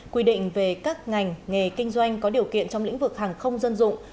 quy định về các ngành nghề kinh doanh có điều kiện trong lĩnh vực hàng không dân dụng